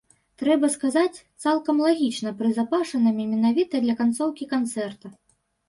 Трэба сказаць, цалкам лагічна прызапашанымі менавіта для канцоўкі канцэрта.